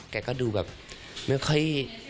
แกก็ดูแบบไม่ค่อย